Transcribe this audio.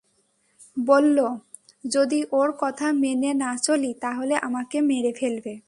বললো, যদি ওর কথা মেনে না চলি, তাহলে আমাকে মেরে ফেলবে।